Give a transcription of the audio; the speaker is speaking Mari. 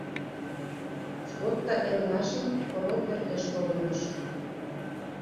Сходка эрлашын орол пӧртеш погыныш.